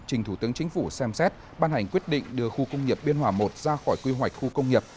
trình thủ tướng chính phủ xem xét ban hành quyết định đưa khu công nghiệp biên hòa i ra khỏi quy hoạch khu công nghiệp